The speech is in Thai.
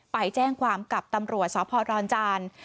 ไปแจ้งความกับตำรวจสพดอนจาน